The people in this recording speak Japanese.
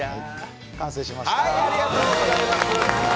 完成しました。